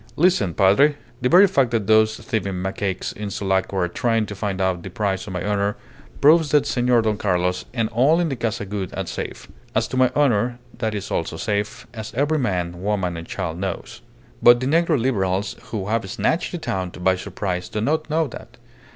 "Listen, Padre. The very fact that those thieving macaques in Sulaco are trying to find out the price of my honour proves that Senor Don Carlos and all in the Casa Gould are safe. As to my honour, that also is safe, as every man, woman, and child knows. But the negro Liberals who have snatched the town by surprise do not know that.